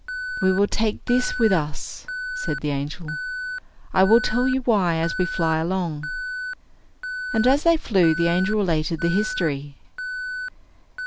"We will take this with us," said the angel, "I will tell you why as we fly along." And as they flew the angel related the history.